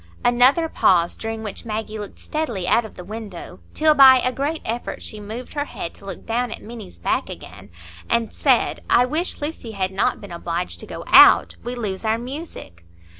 Another pause, during which Maggie looked steadily out of the window, till by a great effort she moved her head to look down at Minny's back again, and said,— "I wish Lucy had not been obliged to go out. We lose our music."